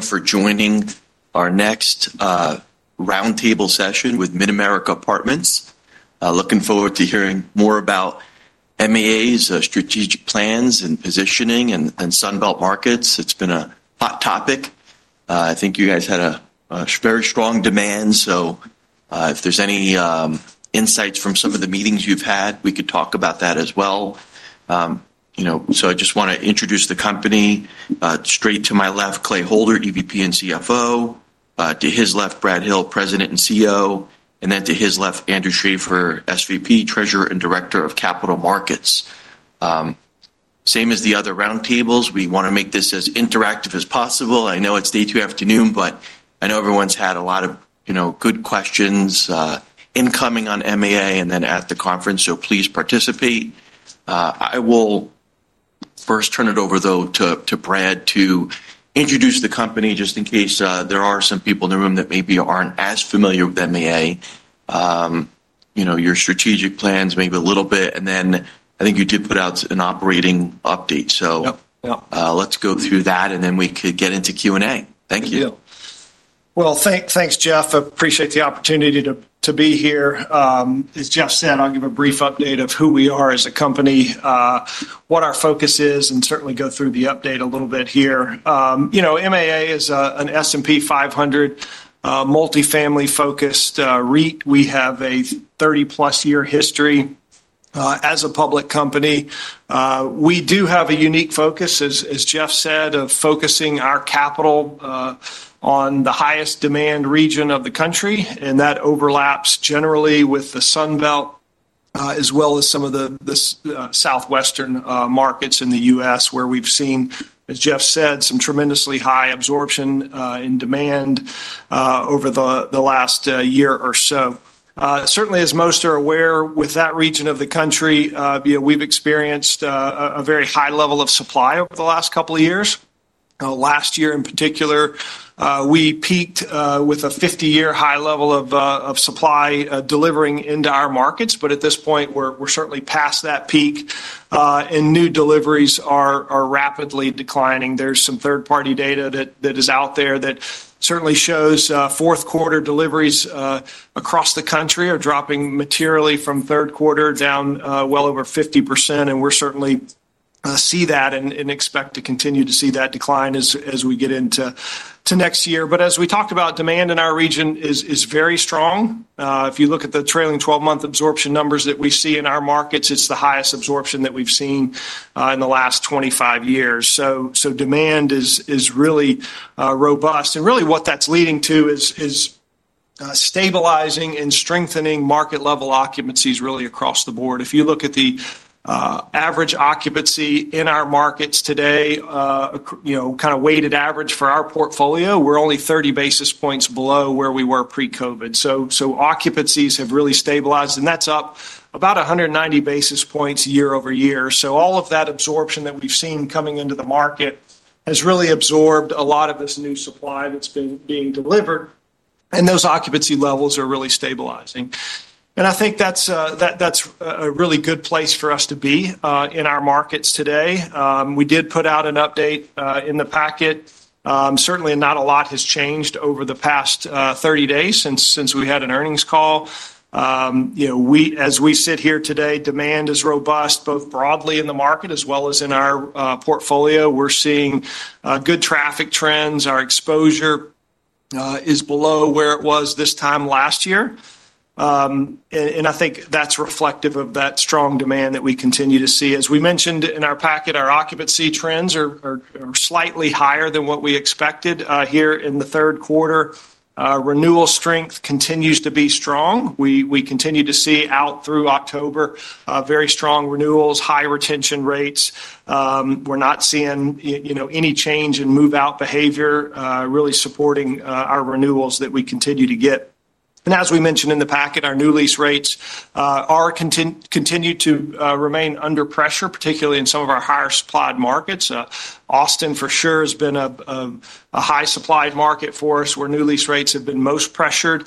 Thank you for joining our next roundtable session with Mid-America Apartment Communities. Looking forward to hearing more about MAA, strategic plans and positioning in Sunbelt markets. It's been a hot topic. I think you guys had very strong demand. If there's any insights from some of the meetings you've had, we could talk about that as well. I just want to introduce the company. Straight to my left, Clay Holder, Executive Vice President and CFO. To his left, Brad Hill, President and CEO. Then to his left, Andrew Schaeffer, Senior Vice President, Treasurer and Director of Capital Markets. Same as the other roundtables, we want to make this as interactive as possible. I know it's day two afternoon, but I know everyone's had a lot of good questions incoming on MAA and at the conference. Please participate. I will first turn it over to Brad to introduce the company just in case there are some people in the room that maybe aren't as familiar with MAA, your strategic plans, maybe a little bit. I think you did put out an operating update. Let's go through that and then we could get into Q&A. Thank you. Yeah. Thanks, Jeff. I appreciate the opportunity to be here. As Jeff said, I'll give a brief update of who we are as a company, what our focus is, and certainly go through the update a little bit here. You know, MAA is an S&P 500 multifamily-focused REIT. We have a 30-plus-year history as a public company. We do have a unique focus, as Jeff said, of focusing our capital on the highest demand region of the country. That overlaps generally with the Sunbelt, as well as some of the southwestern markets in the U.S., where we've seen, as Jeff said, some tremendously high absorption in demand over the last year or so. Certainly, as most are aware, with that region of the country, we've experienced a very high level of supply over the last couple of years. Last year in particular, we peaked with a 50-year high level of supply delivering into our markets. At this point, we're certainly past that peak and new deliveries are rapidly declining. There's some third-party data that is out there that certainly shows fourth-quarter deliveries across the country are dropping materially from third quarter down well over 50%. We certainly see that and expect to continue to see that decline as we get into next year. As we talked about, demand in our region is very strong. If you look at the trailing 12-month absorption numbers that we see in our markets, it's the highest absorption that we've seen in the last 25 years. Demand is really robust. Really what that's leading to is stabilizing and strengthening market-level occupancies really across the board. If you look at the average occupancy in our markets today, you know, kind of weighted average for our portfolio, we're only 30 basis points below where we were pre-COVID. Occupancies have really stabilized and that's up about 190 basis points year over year. All of that absorption that we've seen coming into the market has really absorbed a lot of this new supply that's been being delivered. Those occupancy levels are really stabilizing. I think that's a really good place for us to be in our markets today. We did put out an update in the packet. Certainly, not a lot has changed over the past 30 days since we had an earnings call. As we sit here today, demand is robust both broadly in the market as well as in our portfolio. We're seeing good traffic trends. Our exposure is below where it was this time last year. I think that's reflective of that strong demand that we continue to see. As we mentioned in our packet, our occupancy trends are slightly higher than what we expected here in the third quarter. Renewal strength continues to be strong. We continue to see out through October very strong renewals, high retention rates. We're not seeing any change in move-out behavior really supporting our renewals that we continue to get. As we mentioned in the packet, our new lease rates continue to remain under pressure, particularly in some of our higher supplied markets. Austin for sure has been a high supplied market for us where new lease rates have been most pressured.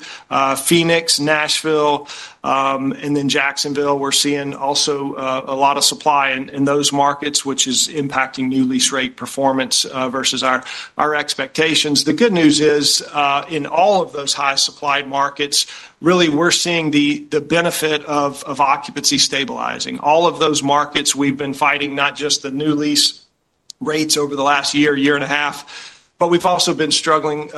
Phoenix, Nashville, and then Jacksonville, we're seeing also a lot of supply in those markets, which is impacting new lease rate performance versus our expectations. The good news is in all of those high supplied markets, really we're seeing the benefit of occupancy stabilizing. All of those markets we've been fighting, not just the new lease rates over the last year, year and a half, but we've also been struggling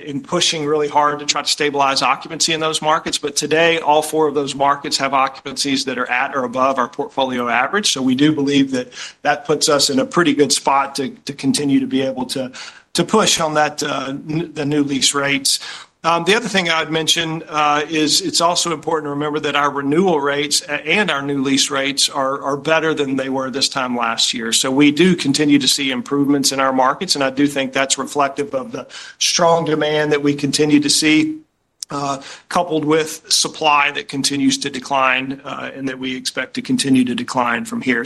in pushing really hard to try to stabilize occupancy in those markets. Today, all four of those markets have occupancies that are at or above our portfolio average. We do believe that puts us in a pretty good spot to continue to be able to push on the new lease rates. The other thing I'd mention is it's also important to remember that our renewal rates and our new lease rates are better than they were this time last year. We do continue to see improvements in our markets. I do think that's reflective of the strong demand that we continue to see, coupled with supply that continues to decline and that we expect to continue to decline from here.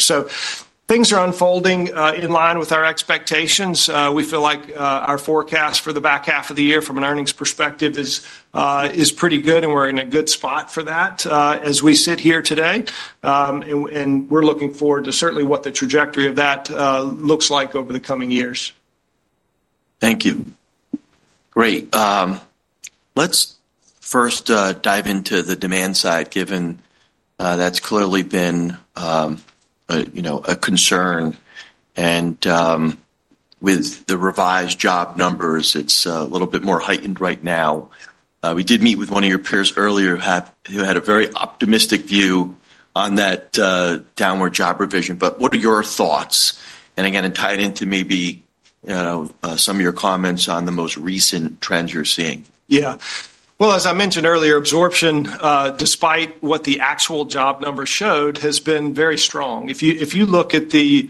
Things are unfolding in line with our expectations. We feel like our forecast for the back half of the year from an earnings perspective is pretty good and we're in a good spot for that as we sit here today. We're looking forward to certainly what the trajectory of that looks like over the coming years. Thank you. Great. Let's first dive into the demand side, given that's clearly been a concern. With the revised job numbers, it's a little bit more heightened right now. We did meet with one of your peers earlier who had a very optimistic view on that downward job revision. What are your thoughts? Again, tied into maybe some of your comments on the most recent trends you're seeing. Yeah. As I mentioned earlier, absorption, despite what the actual job numbers showed, has been very strong. If you look at the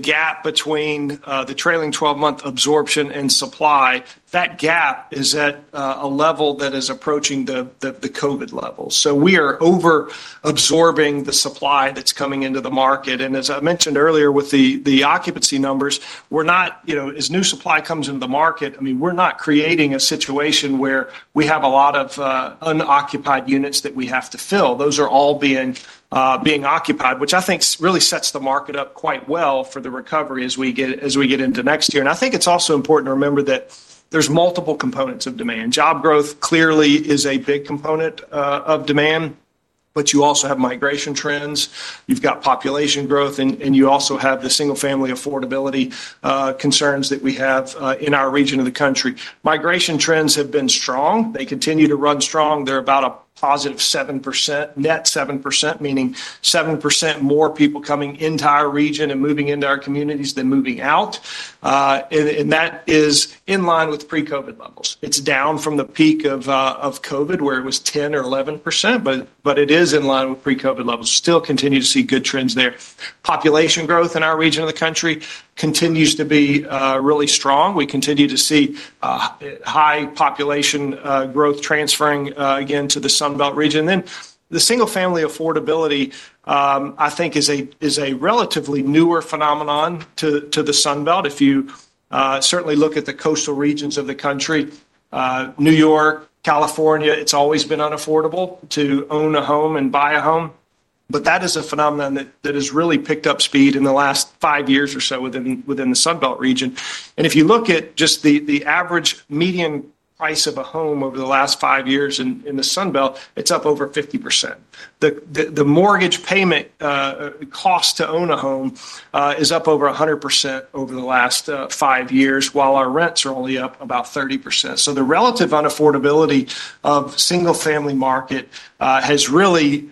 gap between the trailing 12-month absorption and supply, that gap is at a level that is approaching the COVID level. We are over-absorbing the supply that's coming into the market. As I mentioned earlier with the occupancy numbers, we're not, you know, as new supply comes into the market, we're not creating a situation where we have a lot of unoccupied units that we have to fill. Those are all being occupied, which I think really sets the market up quite well for the recovery as we get into next year. I think it's also important to remember that there's multiple components of demand. Job growth clearly is a big component of demand, but you also have migration trends. You've got population growth and you also have the single-family affordability concerns that we have in our region of the country. Migration trends have been strong. They continue to run strong. They're about a +7%, net 7%, meaning 7% more people coming into our region and moving into our communities than moving out. That is in line with pre-COVID levels. It's down from the peak of COVID where it was 10% or 11%, but it is in line with pre-COVID levels. Still continue to see good trends there. Population growth in our region of the country continues to be really strong. We continue to see high population growth transferring again to the Sunbelt region. The single-family affordability, I think, is a relatively newer phenomenon to the Sunbelt. If you certainly look at the coastal regions of the country, New York, California, it's always been unaffordable to own a home and buy a home. That is a phenomenon that has really picked up speed in the last five years or so within the Sunbelt region. If you look at just the average median price of a home over the last five years in the Sunbelt, it's up over 50%. The mortgage payment cost to own a home is up over 100% over the last five years, while our rents are only up about 30%. The relative unaffordability of the single-family market has really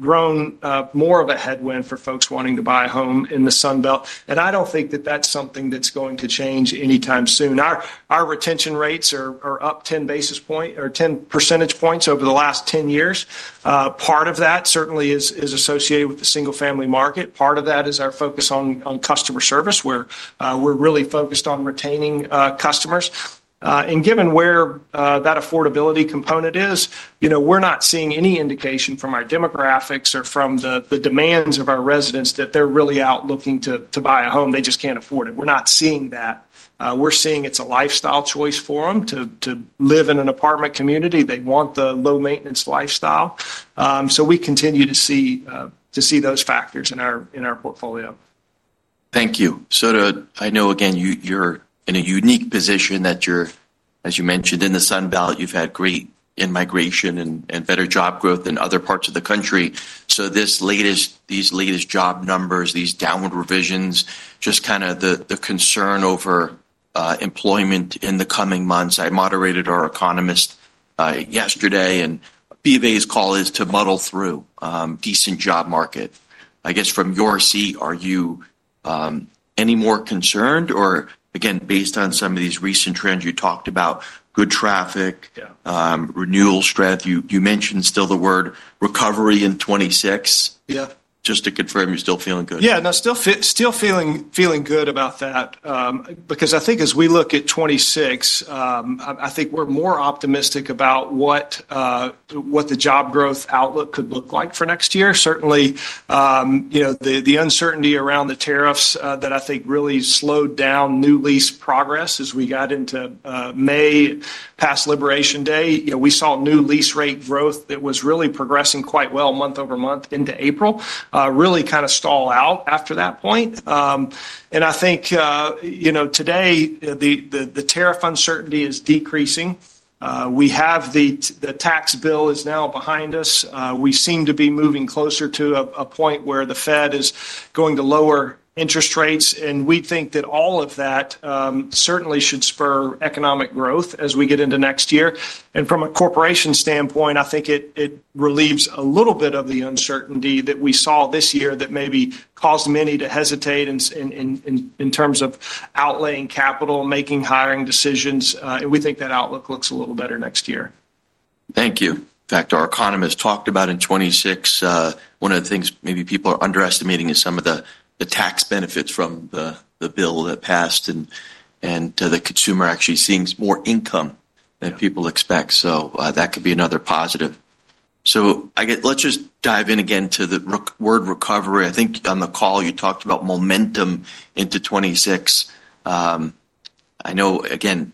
grown more of a headwind for folks wanting to buy a home in the Sunbelt. I don't think that that's something that's going to change anytime soon. Our retention rates are up 10 basis points or 10 percentage points over the last 10 years. Part of that certainly is associated with the single-family market. Part of that is our focus on customer service, where we're really focused on retaining customers. Given where that affordability component is, we're not seeing any indication from our demographics or from the demands of our residents that they're really out looking to buy a home. They just can't afford it. We're not seeing that. We're seeing it's a lifestyle choice for them to live in an apartment community. They want the low-maintenance lifestyle. We continue to see those factors in our portfolio. Thank you. I know you're in a unique position that you're, as you mentioned, in the Sunbelt. You've had great migration and better job growth than other parts of the country. These latest job numbers, these downward revisions, just kind of the concern over employment in the coming months. I moderated our economist yesterday, and Bank of America's call is to muddle through a decent job market. I guess from your seat, are you any more concerned? Or, based on some of these recent trends you talked about, good traffic, renewal strength, you mentioned still the word recovery in 2026. Yeah. Just to confirm, you're still feeling good? Yeah, no, still feeling good about that. I think as we look at 2026, we're more optimistic about what the job growth outlook could look like for next year. Certainly, the uncertainty around the tariffs that I think really slowed down new lease progress as we got into May, past Liberation Day, we saw new lease rate growth that was really progressing quite well month over month into April, really kind of stall out after that point. I think today the tariff uncertainty is decreasing. We have the tax bill is now behind us. We seem to be moving closer to a point where the Federal Reserve is going to lower interest rates. We think that all of that certainly should spur economic growth as we get into next year. From a corporation standpoint, I think it relieves a little bit of the uncertainty that we saw this year that maybe caused many to hesitate in terms of outlaying capital, making hiring decisions. We think that outlook looks a little better next year. Thank you. In fact, our economist talked about in 2026, one of the things maybe people are underestimating is some of the tax benefits from the bill that passed. To the consumer, actually seeing more income than people expect could be another positive. Let's just dive in again to the word recovery. I think on the call you talked about momentum into 2026. I know, again,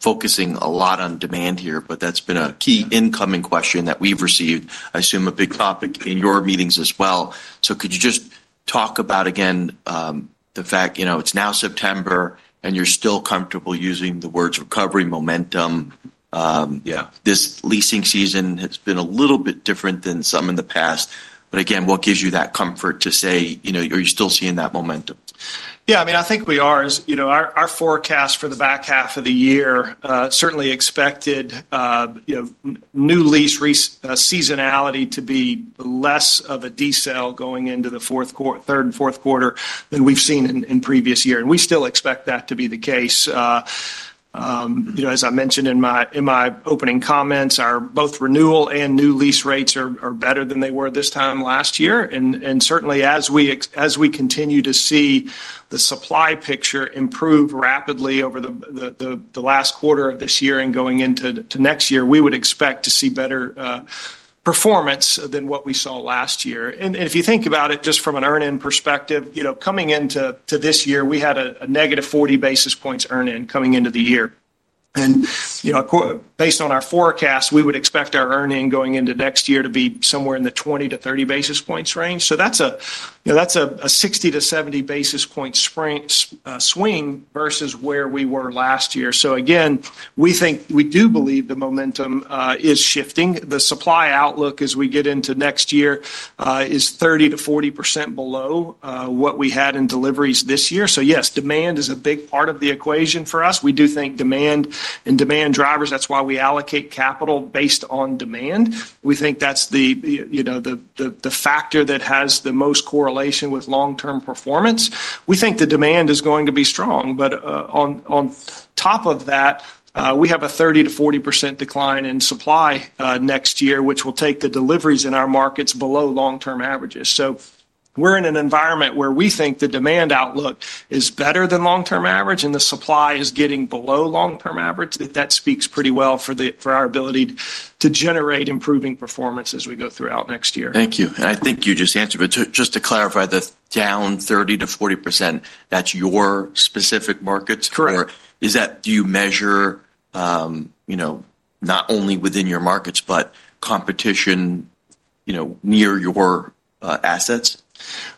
focusing a lot on demand here, but that's been a key incoming question that we've received. I assume a big topic in your meetings as well. Could you just talk about, again, the fact, you know, it's now September and you're still comfortable using the words recovery, momentum. This leasing season has been a little bit different than some in the past. Again, what gives you that comfort to say, you know, are you still seeing that momentum? Yeah, I mean, I think we are. Our forecast for the back half of the year certainly expected new lease seasonality to be less of a deceleration going into the third and fourth quarter than we've seen in previous years. We still expect that to be the case. As I mentioned in my opening comments, both renewal and new lease rates are better than they were this time last year. Certainly, as we continue to see the supply picture improve rapidly over the last quarter of this year and going into next year, we would expect to see better performance than what we saw last year. If you think about it just from an earn-in perspective, coming into this year, we had a negative 40 basis points earn-in coming into the year. Based on our forecast, we would expect our earn-in going into next year to be somewhere in the 20 to 30 basis points range. That's a 60 to 70 basis point swing versus where we were last year. We do believe the momentum is shifting. The supply outlook as we get into next year is 30 to 40% below what we had in deliveries this year. Yes, demand is a big part of the equation for us. We do think demand and demand drivers, that's why we allocate capital based on demand. We think that's the factor that has the most correlation with long-term performance. We think the demand is going to be strong. On top of that, we have a 30 to 40% decline in supply next year, which will take the deliveries in our markets below long-term averages. We're in an environment where we think the demand outlook is better than long-term average and the supply is getting below long-term average. That speaks pretty well for our ability to generate improving performance as we go throughout next year. Thank you. I think you just answered, but just to clarify, the down 30 to 40%, that's your specific markets? Correct. Do you measure, you know, not only within your markets, but competition near your assets?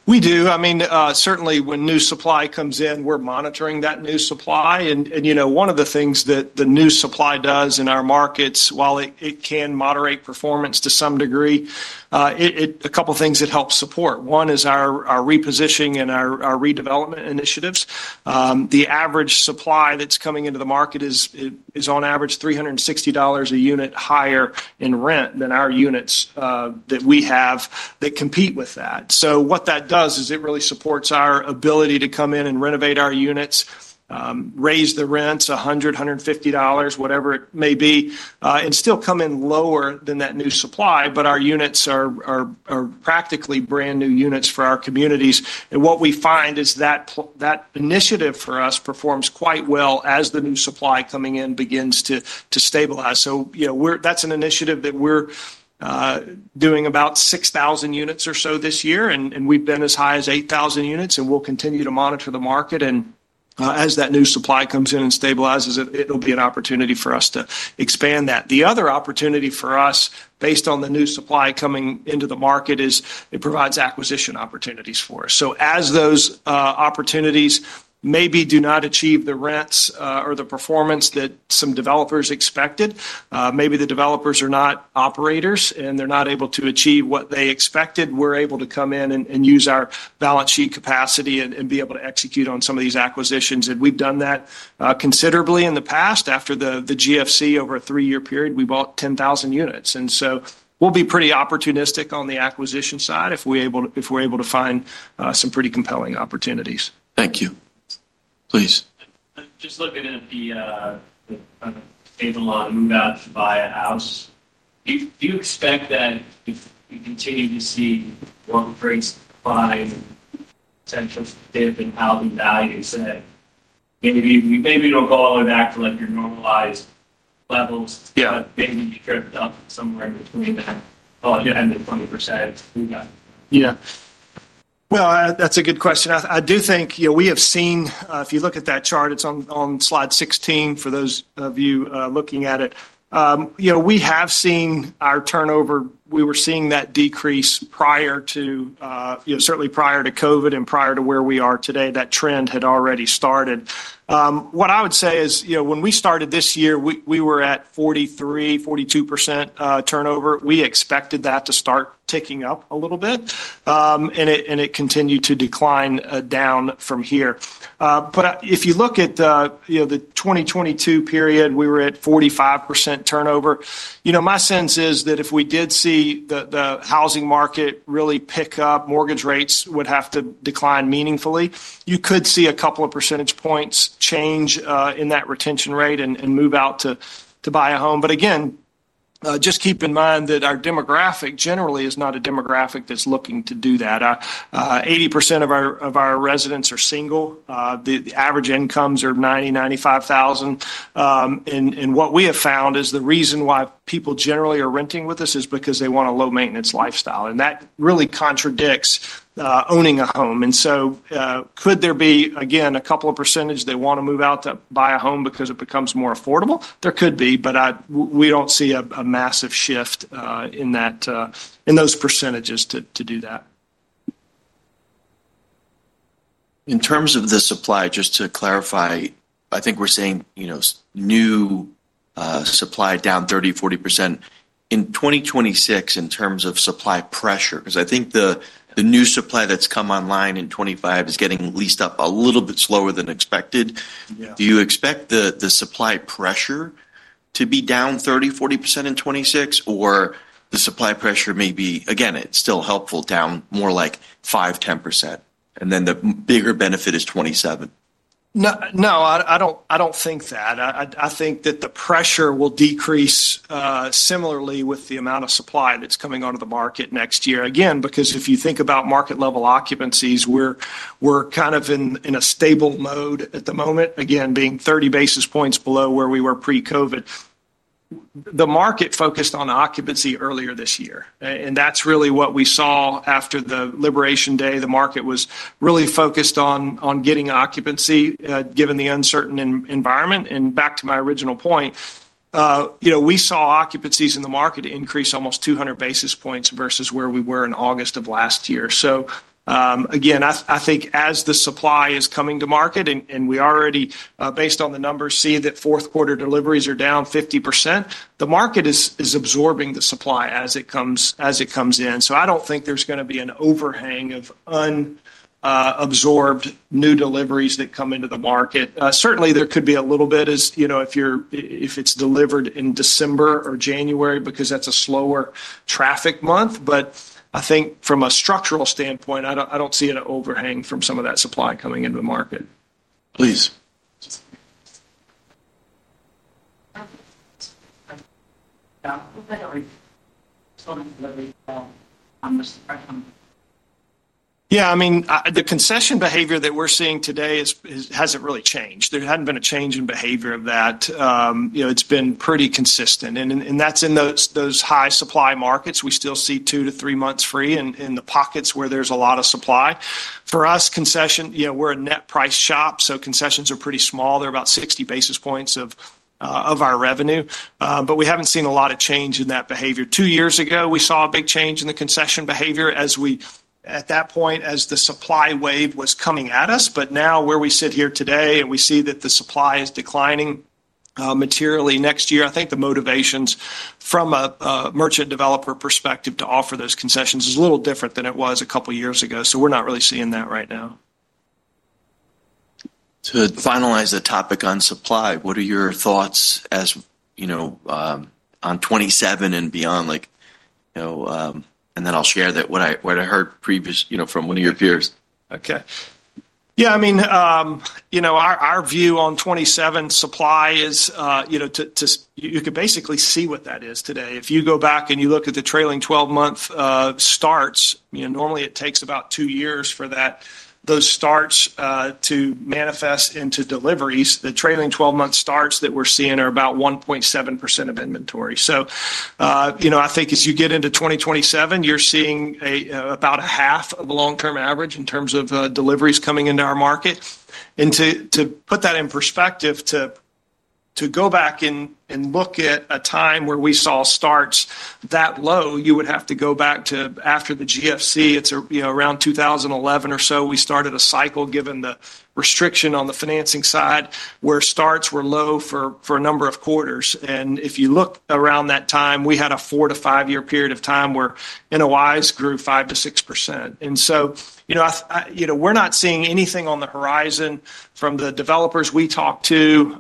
We do. I mean, certainly when new supply comes in, we're monitoring that new supply. One of the things that the new supply does in our markets, while it can moderate performance to some degree, a couple of things it helps support. One is our repositioning and our redevelopment initiatives. The average supply that's coming into the market is on average $360 a unit higher in rent than our units that we have that compete with that. What that does is it really supports our ability to come in and renovate our units, raise the rents $100, $150, whatever it may be, and still come in lower than that new supply. Our units are practically brand new units for our communities. What we find is that initiative for us performs quite well as the new supply coming in begins to stabilize. That's an initiative that we're doing about 6,000 units or so this year. We've been as high as 8,000 units. We'll continue to monitor the market. As that new supply comes in and stabilizes, it'll be an opportunity for us to expand that. The other opportunity for us based on the new supply coming into the market is it provides acquisition opportunities for us. As those opportunities maybe do not achieve the rents or the performance that some developers expected, maybe the developers are not operators and they're not able to achieve what they expected, we're able to come in and use our balance sheet capacity and be able to execute on some of these acquisitions. We've done that considerably in the past. After the GFC over a three-year period, we bought 10,000 units. We'll be pretty opportunistic on the acquisition side if we're able to find some pretty compelling opportunities. Thank you. Please. Just looking at the unstable loan that's buyouts, do you expect that if you continue to see more of rates climb potentially out in value? Say maybe you don't go all the way back to like your normalized levels. Yeah. Maybe you could end up somewhere in between 10% and 20%. Yeah. That's a good question. I do think, you know, we have seen, if you look at that chart, it's on slide 16 for those of you looking at it, we have seen our turnover. We were seeing that decrease prior to, you know, certainly prior to COVID and prior to where we are today. That trend had already started. What I would say is, you know, when we started this year, we were at 43%, 42% turnover. We expected that to start ticking up a little bit. It continued to decline down from here. If you look at the 2022 period, we were at 45% turnover. My sense is that if we did see the housing market really pick up, mortgage rates would have to decline meaningfully. You could see a couple of percentage points change in that retention rate and move out to buy a home. Again, just keep in mind that our demographic generally is not a demographic that's looking to do that. 80% of our residents are single. The average incomes are $90,000-$95,000. What we have found is the reason why people generally are renting with us is because they want a low-maintenance lifestyle. That really contradicts owning a home. Could there be, again, a couple of percentage they want to move out to buy a home because it becomes more affordable? There could be, but we don't see a massive shift in those percentages to do that. In terms of the supply, just to clarify, I think we're seeing new supply down 30%-40%. In 2026, in terms of supply pressure, because I think the new supply that's come online in 2025 is getting leased up a little bit slower than expected. Do you expect the supply pressure to be down 30%-40% in 2026, or the supply pressure may be, again, it's still helpful, down more like 5%-10%? The bigger benefit is 2027? No, I don't think that. I think that the pressure will decrease similarly with the amount of supply that's coming onto the market next year. Again, because if you think about market-level occupancies, we're kind of in a stable mode at the moment, being 30 basis points below where we were pre-COVID. The market focused on occupancy earlier this year. That's really what we saw after the Liberation Day. The market was really focused on getting occupancy given the uncertain environment. Back to my original point, we saw occupancies in the market increase almost 200 basis points versus where we were in August of last year. I think as the supply is coming to market, and we already, based on the numbers, see that fourth quarter deliveries are down 50%, the market is absorbing the supply as it comes in. I don't think there's going to be an overhang of unabsorbed new deliveries that come into the market. Certainly, there could be a little bit as, if it's delivered in December or January because that's a slower traffic month. I think from a structural standpoint, I don't see an overhang from some of that supply coming into the market. Please. Yeah, I mean, the concession behavior that we're seeing today hasn't really changed. There hadn't been a change in behavior of that. It's been pretty consistent, and that's in those high supply markets. We still see two to three months free in the pockets where there's a lot of supply. For us, concession, we're a net price shop, so concessions are pretty small. They're about 60 basis points of our revenue. We haven't seen a lot of change in that behavior. Two years ago, we saw a big change in the concession behavior as we, at that point, as the supply wave was coming at us. Now where we sit here today and we see that the supply is declining materially next year, I think the motivations from a merchant developer perspective to offer those concessions is a little different than it was a couple of years ago. We're not really seeing that right now. To finalize the topic on supply, what are your thoughts on 2027 and beyond? I'll share what I heard previously from one of your peers. Okay. Yeah, I mean, our view on 2027 supply is, you could basically see what that is today. If you go back and you look at the trailing 12-month starts, normally it takes about two years for those starts to manifest into deliveries. The trailing 12-month starts that we're seeing are about 1.7% of inventory. I think as you get into 2027, you're seeing about a half of a long-term average in terms of deliveries coming into our market. To put that in perspective, to go back and look at a time where we saw starts that low, you would have to go back to after the GFC. It's around 2011 or so, we started a cycle given the restriction on the financing side where starts were low for a number of quarters. If you look around that time, we had a four to five-year period of time where NOIs grew 5%-6%. We're not seeing anything on the horizon from the developers we talk to.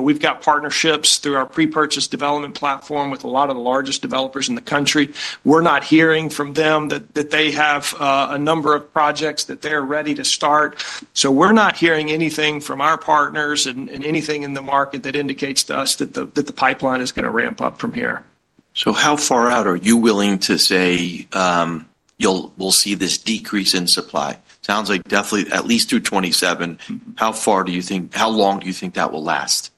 We've got partnerships through our pre-purchase development platform with a lot of the largest developers in the country. We're not hearing from them that they have a number of projects that they're ready to start. We're not hearing anything from our partners and anything in the market that indicates to us that the pipeline is going to ramp up from here. How far out are you willing to say we'll see this decrease in supply? It sounds like definitely at least through 2027. How long do you think that will last?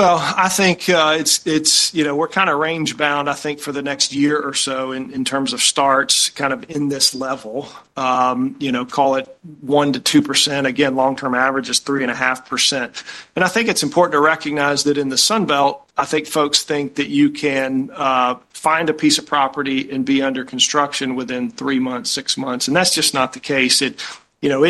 I think it's, you know, we're kind of range-bound, I think, for the next year or so in terms of starts kind of in this level. You know, call it 1%-2%. Again, long-term average is 3.5%. I think it's important to recognize that in the Sunbelt, I think folks think that you can find a piece of property and be under construction within three months, six months. That's just not the case. It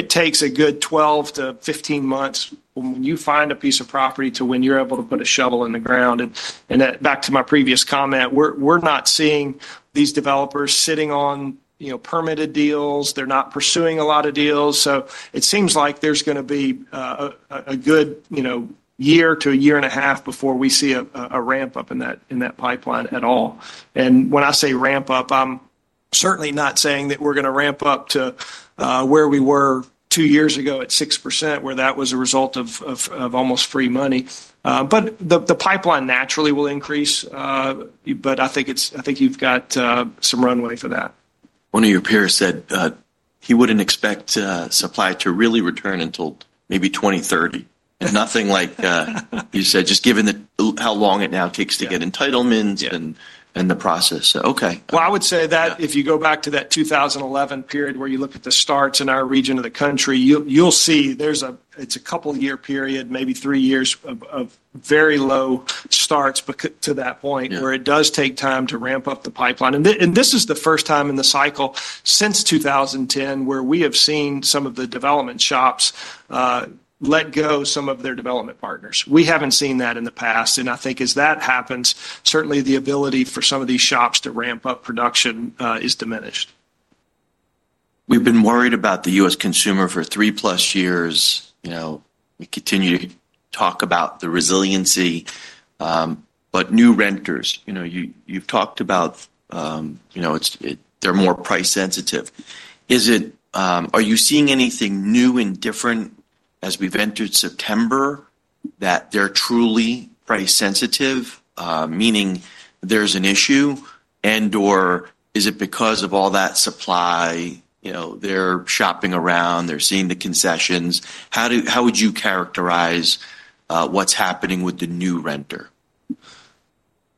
takes a good 12-15 months when you find a piece of property to when you're able to put a shovel in the ground. Back to my previous comment, we're not seeing these developers sitting on, you know, permitted deals. They're not pursuing a lot of deals. It seems like there's going to be a good, you know, year to a year and a half before we see a ramp up in that pipeline at all. When I say ramp up, I'm certainly not saying that we're going to ramp up to where we were two years ago at 6%, where that was a result of almost free money. The pipeline naturally will increase. I think you've got some runway for that. One of your peers said he wouldn't expect supply to really return until maybe 2030, nothing like you said, just given how long it now takes to get entitlements and the process. Okay. If you go back to that 2011 period where you look at the starts in our region of the country, you'll see there's a, it's a couple-year period, maybe three years of very low starts to that point where it does take time to ramp up the pipeline. This is the first time in the cycle since 2010 where we have seen some of the development shops let go some of their development partners. We haven't seen that in the past. I think as that happens, certainly the ability for some of these shops to ramp up production is diminished. We've been worried about the U.S. consumer for three plus years. You know, we continue to talk about the resiliency. New renters, you know, you've talked about, you know, they're more price sensitive. Are you seeing anything new and different as we've entered September that they're truly price sensitive, meaning there's an issue and/or is it because of all that supply, they're shopping around, they're seeing the concessions? How would you characterize what's happening with the new renter?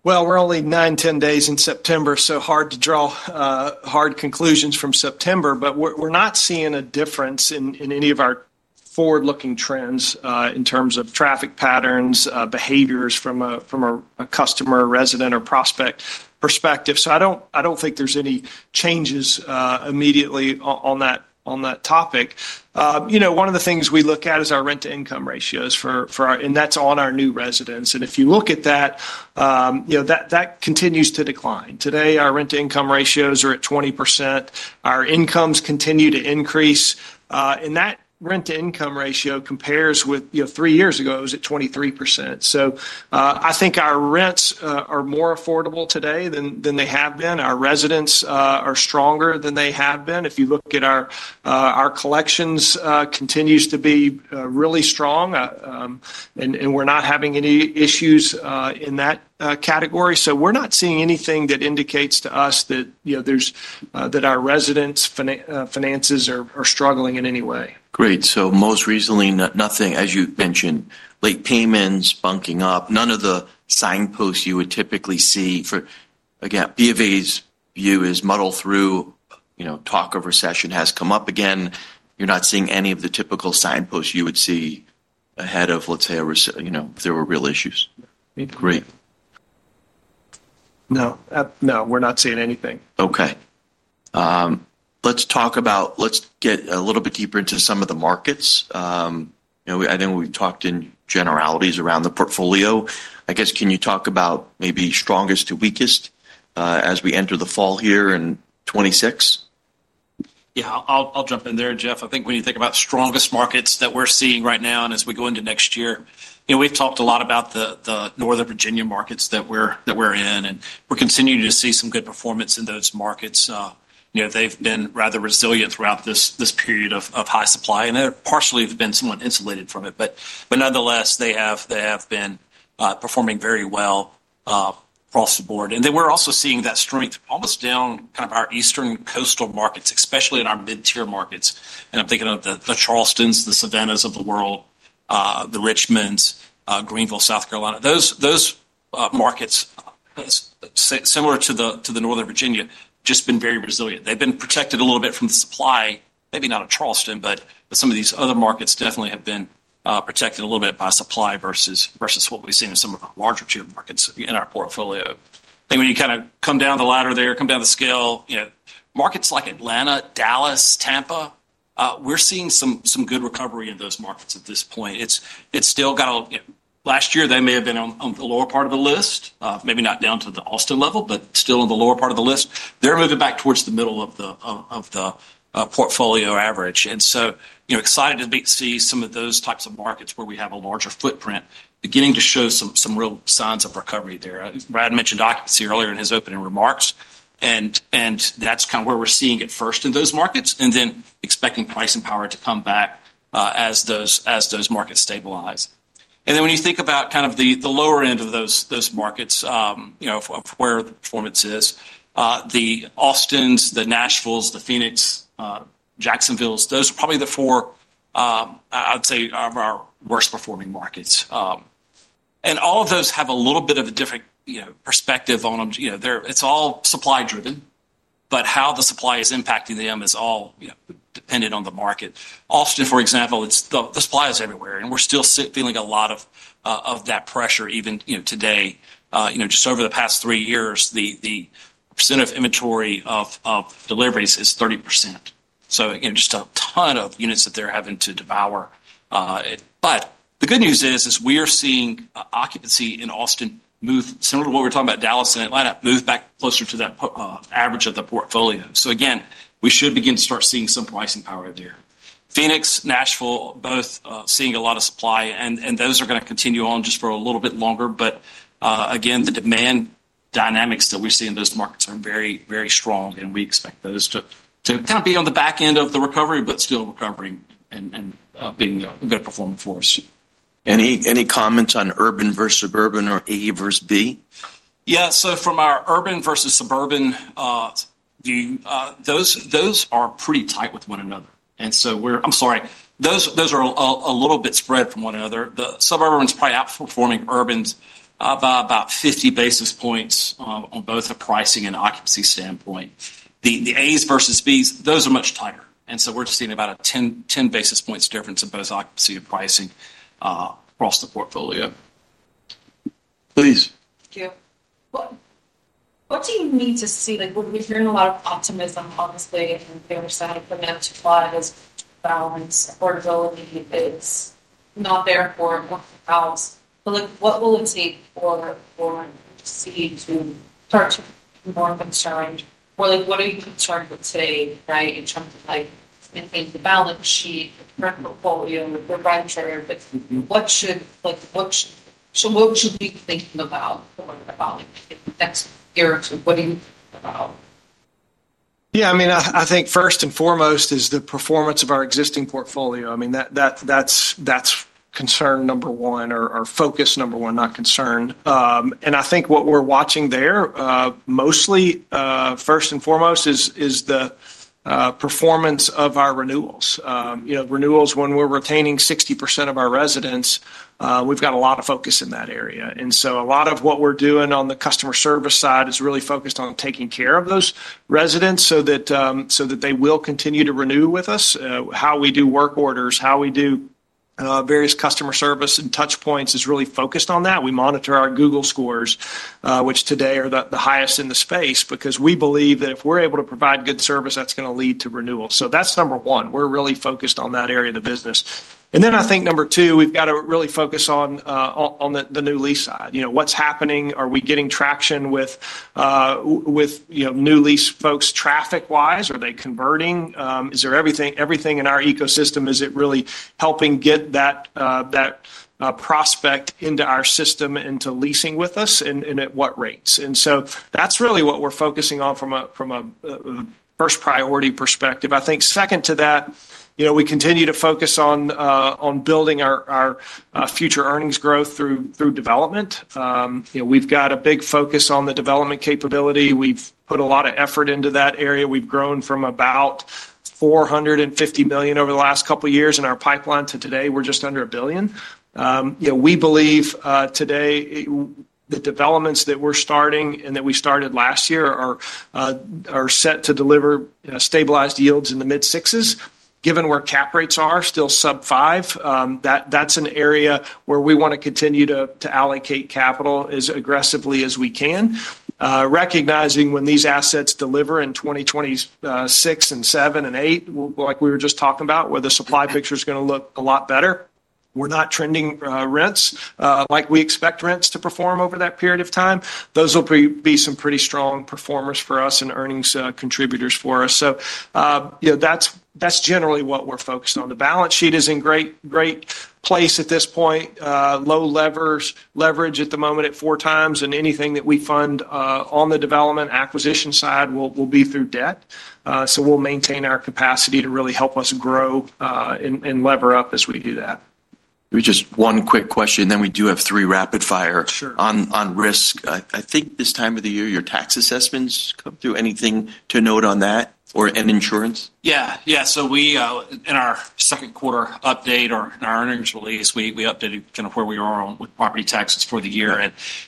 We're only nine, ten days into September, so it's hard to draw hard conclusions from September. We're not seeing a difference in any of our forward-looking trends in terms of traffic patterns, behaviors from a customer, resident, or prospect perspective. I don't think there's any changes immediately on that topic. One of the things we look at is our rent-to-income ratios, and that's on our new residents. If you look at that, it continues to decline. Today, our rent-to-income ratios are at 20%. Our incomes continue to increase, and that rent-to-income ratio compares with, three years ago, it was at 23%. I think our rents are more affordable today than they have been. Our residents are stronger than they have been. If you look at our collections, it continues to be really strong, and we're not having any issues in that category. We're not seeing anything that indicates to us that our residents' finances are struggling in any way. Great. Most recently, nothing, as you mentioned, late payments bumping up, none of the signposts you would typically see. Again, Bank of America's view is muddle through. You know, talk of recession has come up again. You're not seeing any of the typical signposts you would see ahead of, let's say, if there were real issues. No, we're not seeing anything. Okay. Let's talk about, let's get a little bit deeper into some of the markets. I know we talked in generalities around the portfolio. I guess, can you talk about maybe strongest to weakest as we enter the fall here in 2026? Yeah, I'll jump in there, Jeff. I think when you think about strongest markets that we're seeing right now and as we go into next year, we've talked a lot about the Northern Virginia markets that we're in and we're continuing to see some good performance in those markets. They've been rather resilient throughout this period of high supply and partially have been somewhat insulated from it. Nonetheless, they have been performing very well across the board. We're also seeing that strength almost down kind of our eastern coastal markets, especially in our mid-tier markets. I'm thinking of the Charlestons, the Savannahs of the world, the Richmonds, Greenville, South Carolina. Those markets, similar to the Northern Virginia, have just been very resilient. They've been protected a little bit from the supply, maybe not Charleston, but some of these other markets definitely have been protected a little bit by supply versus what we've seen in some of the larger tier markets in our portfolio. When you kind of come down the ladder there, come down the scale, markets like Atlanta, Dallas, Tampa, we're seeing some good recovery in those markets at this point. Last year they may have been on the lower part of the list, maybe not down to the Austin level, but still in the lower part of the list. They're moving back towards the middle of the portfolio average. Excited to see some of those types of markets where we have a larger footprint beginning to show some real signs of recovery there. Brad mentioned occupancy earlier in his opening remarks. That's kind of where we're seeing it first in those markets and then expecting pricing power to come back as those markets stabilize. When you think about kind of the lower end of those markets, of where the performance is, the Austins, the Nashville, the Phoenix, Jacksonville, those are probably the four, I'd say, of our worst performing markets. All of those have a little bit of a different perspective on them. It's all supply driven, but how the supply is impacting them is all dependent on the market. Austin, for example, the supply is everywhere. We're still feeling a lot of that pressure, even today. Just over the past three years, the incentive inventory of deliveries is 30%. Just a ton of units that they're having to devour. The good news is, we are seeing occupancy in Austin move similar to what we're talking about in Dallas and Atlanta, move back closer to that average of the portfolio. We should begin to start seeing some pricing power there. Phoenix and Nashville are both seeing a lot of supply, and those are going to continue on just for a little bit longer. The demand dynamics that we see in those markets are very, very strong, and we expect those to kind of be on the back end of the recovery, but still recovering and being a good performer for us. Any comments on urban versus suburban or A versus B? Yeah, from our urban versus suburban, those are pretty tight with one another. Those are a little bit spread from one another. The suburbs are probably outperforming urbans by about 50 basis points on both a pricing and occupancy standpoint. The A's versus B's, those are much tighter. We're just seeing about a 10 basis points difference in both occupancy and pricing across the portfolio. Please. Thank you. What do you need to see? We've been hearing a lot of optimism on this big data set of the net to fund is balance, affordability base, not there for balance. What will it take for C to start to more of a churn? What are you concerned with today in terms of, I think, the balance sheet, revenue portfolio, the proprietary, what should we be thinking about? Yeah, I mean, I think first and foremost is the performance of our existing portfolio. I mean, that's concern number one or focus number one, not concern. I think what we're watching there, mostly first and foremost is the performance of our renewals. You know, renewals, when we're retaining 60% of our residents, we've got a lot of focus in that area. A lot of what we're doing on the customer service side is really focused on taking care of those residents so that they will continue to renew with us. How we do work orders, how we do various customer service and touchpoints is really focused on that. We monitor our Google scores, which today are the highest in the space because we believe that if we're able to provide good service, that's going to lead to renewal. That's number one. We're really focused on that area of the business. I think number two, we've got to really focus on the new lease side. You know, what's happening? Are we getting traction with, you know, new lease folks traffic-wise? Are they converting? Is there everything in our ecosystem? Is it really helping get that prospect into our system and to leasing with us and at what rates? That's really what we're focusing on from a first priority perspective. I think second to that, we continue to focus on building our future earnings growth through development. You know, we've got a big focus on the development capability. We've put a lot of effort into that area. We've grown from about $450 million over the last couple of years in our pipeline to today, we're just under $1 billion. We believe today the developments that we're starting and that we started last year are set to deliver stabilized yields in the mid-6%. Given where cap rates are, still sub-5%, that's an area where we want to continue to allocate capital as aggressively as we can. Recognizing when these assets deliver in 2026 and 2027 and 2028, like we were just talking about, where the supply picture is going to look a lot better. We're not trending rents like we expect rents to perform over that period of time. Those will be some pretty strong performers for us and earnings contributors for us. That's generally what we're focused on. The balance sheet is in a great, great place at this point. Low leverage at the moment at 4x and anything that we fund on the development acquisition side will be through debt. We'll maintain our capacity to really help us grow and lever up as we do that. Maybe just one quick question. We do have three rapid fire on risk. I think this time of the year, your tax assessments come through. Anything to note on that or any insurance? Yeah, yeah. In our second quarter update or our earnings release, we updated kind of where we are on property taxes for the year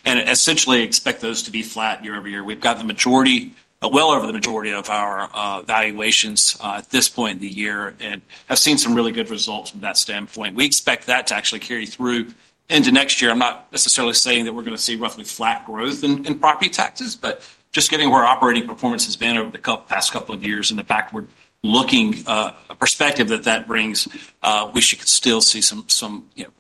and essentially expect those to be flat year over year. We've got the majority, well over the majority of our valuations at this point in the year and have seen some really good results from that standpoint. We expect that to actually carry through into next year. I'm not necessarily saying that we're going to see roughly flat growth in property taxes, but just given where operating performance has been over the past couple of years and the backward looking perspective that that brings, we should still see some, you know,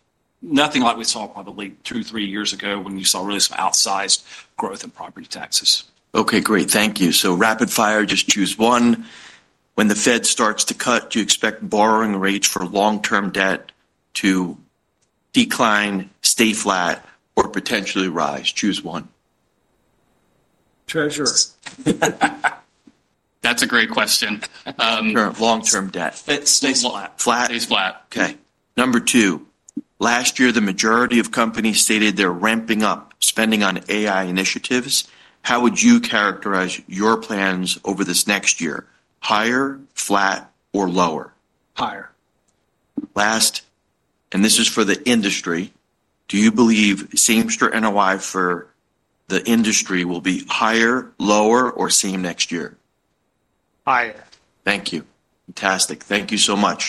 nothing like we saw probably two, three years ago when you saw really some outsized growth in property taxes. Okay, great. Thank you. Rapid fire, just choose one. When the Federal Reserve starts to cut, do you expect borrowing rates for long-term debt to decline, stay flat, or potentially rise? Choose one. Treasurer. That's a great question. Sure, long-term debt. Stays flat. Flat, stays flat. Okay. Number two, last year the majority of companies stated they're ramping up spending on AI initiatives. How would you characterize your plans over this next year? Higher, flat, or lower? Higher. Last, and this is for the industry, do you believe same-store net operating income for the industry will be higher, lower, or same next year? Higher. Thank you. Fantastic. Thank you so much.